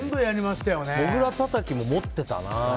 モグラたたきも持ってたな。